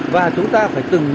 và chúng ta phải từng nhận ra